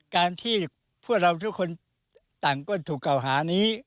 การที่พวกเราทุกคนต่างก็ถูกเก่าหานี้